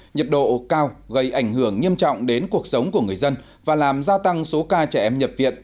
nhiệt độ cao gây ảnh hưởng nghiêm trọng đến cuộc sống của người dân và làm gia tăng số ca trẻ em nhập viện